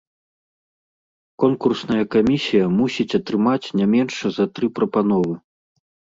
Конкурсная камісія мусіць атрымаць не менш за тры прапановы.